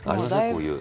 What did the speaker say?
こういう。